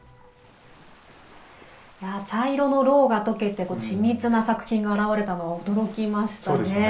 茶色のろうが溶けて緻密な作品が現れたのは驚きましたね。